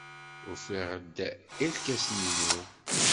Ufiɣ-d irkasen-inu.